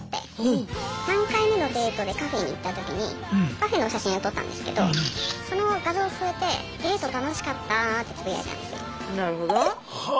３回目のデートでカフェに行った時にパフェの写真を撮ったんですけどその画像を添えて「デート楽しかった」ってつぶやいたんですよ。